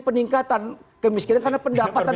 peningkatan kemiskinan karena pendapatan